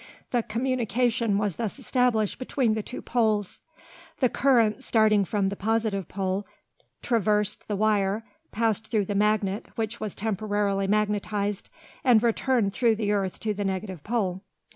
The communication was thus established between the two poles, the current, starting from the positive pole, traversed the wire, passed through the magnet which was temporarily magnetised, and returned through the earth to the negative pole.